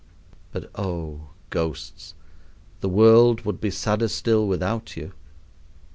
But, oh, ghosts, the world would be sadder still without you.